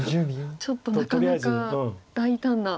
ちょっとなかなか大胆な。